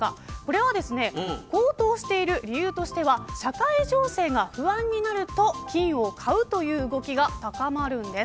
これは高騰している理由として社会情勢が不安になると金を買うという動きが高まるんです。